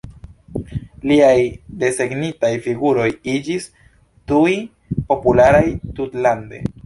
Liaj desegnitaj figuroj iĝis tuj popularaj tutlande.